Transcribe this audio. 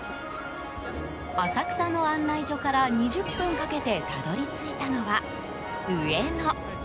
浅草の案内所から２０分かけてたどり着いたのは上野。